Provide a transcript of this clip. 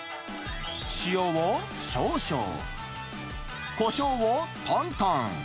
塩を少々、こしょうをとんとん。